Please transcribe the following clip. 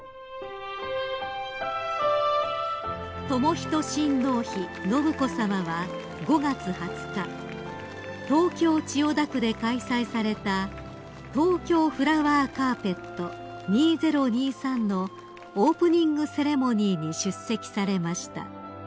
［仁親王妃信子さまは５月２０日東京千代田区で開催されたＴＯＫＹＯＦＬＯＷＥＲＣＡＲＰＥＴ２０２３のオープニングセレモニーに出席されました］